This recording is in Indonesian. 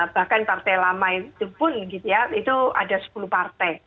bahkan partai lama itu pun gitu ya itu ada sepuluh partai